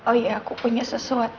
oh iya aku punya sesuatu